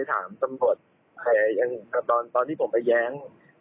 ทำไมของธนาภาษีข๑๐๘๐นินิท